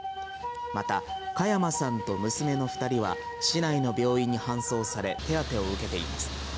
また嘉山さんと娘の２人は市内の病院に搬送され、手当を受けています。